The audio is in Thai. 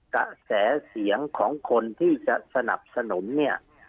กระแสเสียงของคนที่จะสนับสนุนเนี่ย